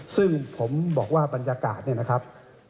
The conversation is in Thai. ซึ่งผมบอกว่าบรรยากาศเนี่ยนะครับ